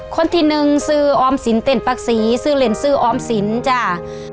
คนที่หนึ่งซื้อออมสินเต้นปักศรีซื้อเล่นซื้อออมสินจ้า